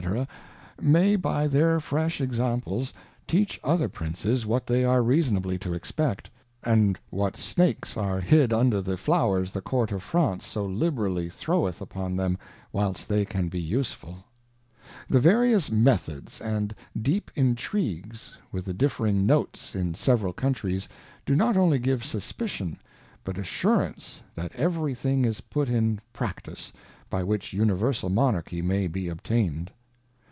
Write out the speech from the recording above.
may by their Fresh Examples, teach other Princes what they are reasonably to expect, and what Snakes are hid under the Flowers the Court of France so liberally throweth upon them whilst they can be useful. The various Methods and deep Intrigues, with the differing Notes in several Countries, do not only give suspicion, but assurance that every thing is put in Practice, by which universal Monarchy may be obtain'd.